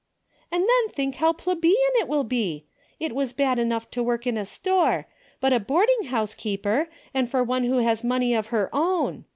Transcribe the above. " And then think how plebeian it will be ! It was bad enough to work in a store, but a boarding house keeper, and for one who has money of her own.